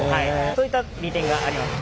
そういった利点があります。